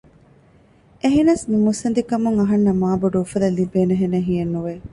އެހެނަސް މި މުއްސަނދިކަމުން އަހަންނަށް މާ ބޮޑު އުފަލެއް ލިބޭހެނެއް ހިޔެއް ނުވެ